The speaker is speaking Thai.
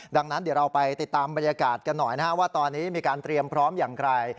ดังนั้นเดี๋ยวเราไปติดตามบรรยากาศกันหน่อยนะครับว่าตอนนี้มีการเตรียมพร้อมอย่างไร